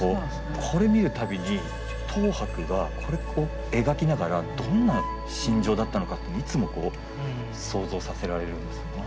これ見るたびに等伯がこれを描きながらどんな心情だったのかというのはいつも想像させられるんですよね。